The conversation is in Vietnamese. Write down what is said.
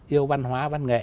yêu văn hóa văn nghệ